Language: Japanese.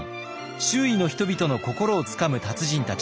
周囲の人々の心をつかむ達人たち。